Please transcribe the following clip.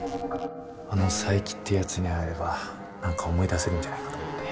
あの佐伯ってやつに会えれば何か思い出せるんじゃないかと思って。